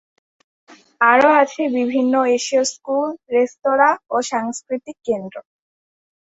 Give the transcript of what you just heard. আরও আছে বিভিন্ন এশীয় স্কুল, রেস্তোরা, ও সাংস্কৃতিক কেন্দ্র।